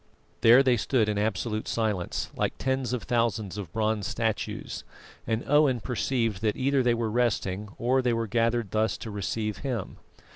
There they stood in absolute silence, like tens of thousands of bronze statues, and Owen perceived that either they were resting or that they were gathered thus to receive him.